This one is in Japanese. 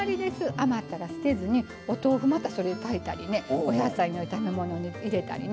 余ったら捨てずにお豆腐またそれで炊いたりお野菜の炒め物に入れたりね